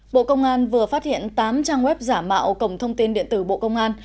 bộ công an vừa phát hiện tám trang web giả mạo cổng thông tin điện tử bộ công an